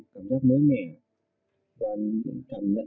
tổ chức tết đã đến gần với